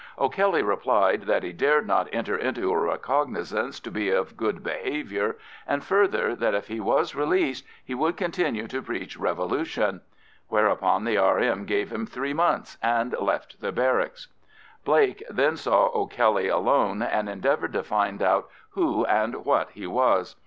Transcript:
O'Kelly replied that he dared not enter into a recognisance to be of good behaviour, and further, that if he was released he would continue to preach revolution. Whereupon the R.M. gave him three months and left the barracks. Blake then saw O'Kelly alone, and endeavoured to find out who and what he was.